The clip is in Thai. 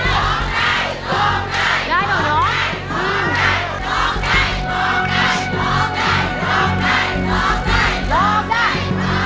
ร้องได้ร้องได้เปล่าร้องได้ร้องได้ร้องได้ร้องได้ร้องได้ร้องได้ร้องได้